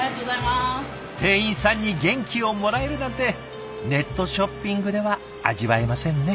店員さんに元気をもらえるなんてネットショッピングでは味わえませんね。